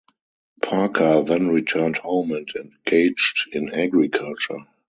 Parker then returned home and engaged in agriculture.